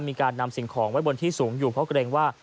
มีการนำสิ่งของไว้บนที่สูงอยู่เพราะเกรงว่า